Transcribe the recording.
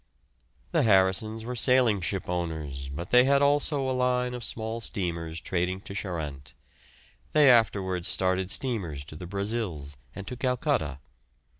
The Harrisons were sailing ship owners, but they had also a line of small steamers trading to Charente. They afterwards started steamers to the Brazils and to Calcutta.